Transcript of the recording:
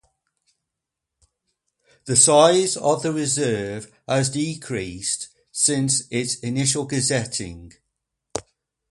The size of the reserve has decreased since its initial gazetting.